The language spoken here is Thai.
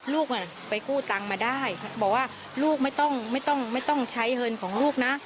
ลูกไปกู้ตังมาได้บอกว่าลูกไม่ต้องใช้เฮิลของลูกนะ